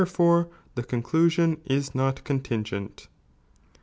^,15,5, fore the conclusion ia not contingent.